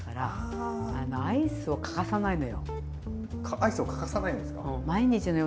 アイスを欠かさないんですか？